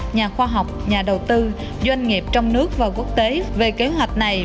nhà khoa học nhà đầu tư doanh nghiệp trong nước và quốc tế về kế hoạch này